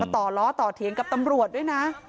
ต่อล้อต่อเถียงกับตำรวจด้วยนะ